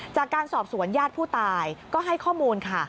จากการสอบสวนญาติผู้ตายก็ให้ข้อมูลค่ะ